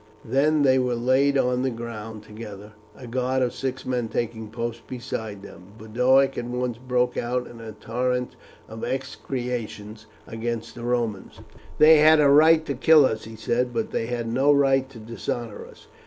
Then they were laid on the ground together, a guard of six men taking post beside them. Boduoc at once broke out in a torrent of execrations against the Romans. "They had a right to kill us," he said, "but they had no right to dishonour us.